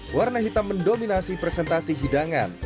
warna hitam mendominasi presentasi hidangan